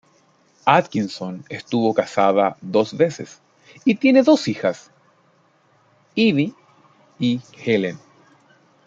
Atkinson estuvo casada dos veces y tiene dos hijas, Eve y Helen.